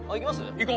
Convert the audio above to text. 行こう。